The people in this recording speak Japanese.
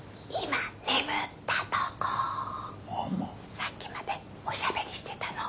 さっきまでおしゃべりしてたの。